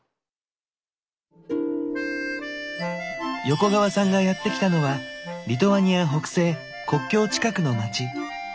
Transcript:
横川さんがやって来たのはリトアニア北西国境近くの街